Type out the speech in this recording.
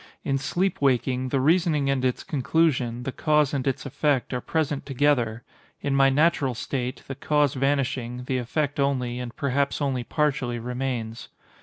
In sleep waking, the reasoning and its conclusion—the cause and its effect—are present together. In my natural state, the cause vanishing, the effect only, and perhaps only partially, remains.